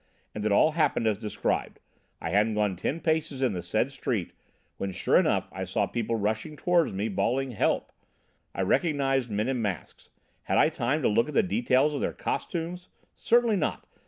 And it all happened as described. I hadn't gone ten paces in the said street when sure enough I saw people rushing toward me bawling 'Help.' I recognised men in masks: had I time to look at the details of their costumes? Certainly not!